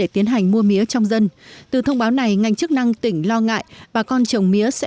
tiến hành mua mía trong dân từ thông báo này ngành chức năng tỉnh lo ngại bà con trồng mía sẽ